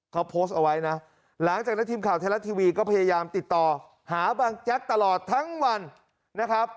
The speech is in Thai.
เขาโพสต์เอาไว้นะหลังจากนั้นทีมข่าวไทยรัฐทีวีก็พยายามติดต่อหาบางแจ๊กตลอดทั้งวันนะครับ